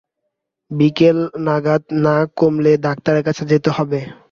বিকেল নাগাদ না-কমলে ডাক্তারের কাছে যেতে হবে।